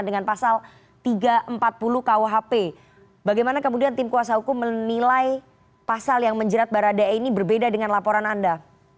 dengan pasal tiga ratus empat puluh kuhp bagaimana kemudian tim kuasa hukum menilai pasal yang menjerat baradae ini berbeda dengan laporan anda